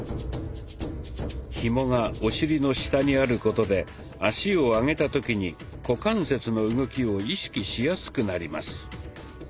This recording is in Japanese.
ひもがお尻の下にあることで足を上げた時に股関節の動きを意識しやすくなります。